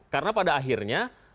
karena pada akhirnya